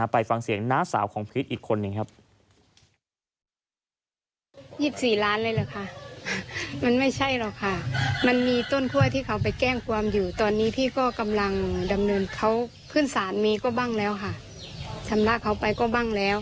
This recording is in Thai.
ไปฟังเสียงน้าสาวของพีชอีกคนหนึ่งครับ